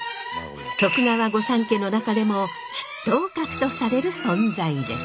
徳川御三家の中でも筆頭格とされる存在です。